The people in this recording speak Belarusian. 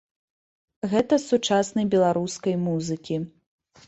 Гэта з сучаснай беларускай музыкі.